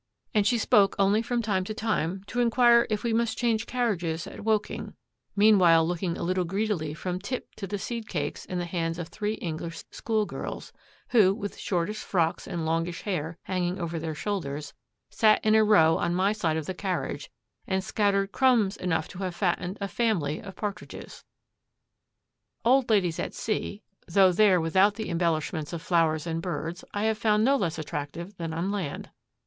And she spoke only from time to time, to inquire if we must change carriages at Woking; meanwhile looking a little greedily from Tip to the seedcakes in the hands of three English schoolgirls, who, with shortish frocks and longish hair hanging over their shoulders, sat in a row on my side of the carriage, and scattered crumbs enough to have fattened a family of partridges. Old ladies at sea, though there without the embellishments of flowers and birds, I have found no less attractive than on land.